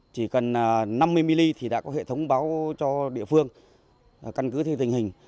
chỉ cần năm mươi mm thì đã có hệ thống báo cho địa phương căn cứ theo tình hình